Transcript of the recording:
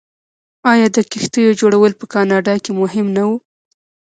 آیا د کښتیو جوړول په کاناډا کې مهم نه و؟